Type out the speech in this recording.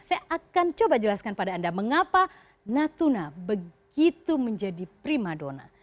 saya akan coba jelaskan pada anda mengapa natuna begitu menjadi prima dona